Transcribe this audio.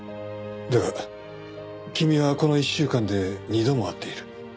だが君はこの１週間で二度も会っている。